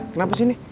kenapa sih ini